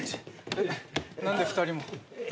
何で２人も。